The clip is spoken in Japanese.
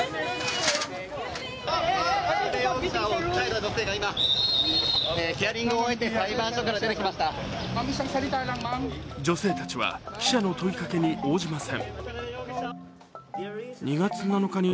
女性たちは記者の問いかけに応じません。